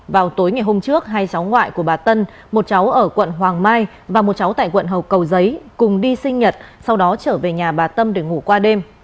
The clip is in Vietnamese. vào tối ngày hôm trước hai cháu ngoại của bà tân một cháu ở quận hoàng mai và một cháu tại quận hầu cầu giấy cùng đi sinh nhật sau đó trở về nhà bà tâm để ngủ qua đêm